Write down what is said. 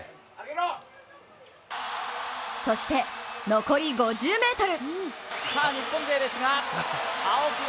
そして残り５０ｍ。